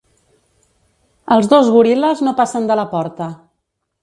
Els dos goril·les no passen de la porta.